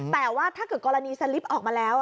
แต่ว่าถ้าเกิดกรณีสลิปออกมาแล้ว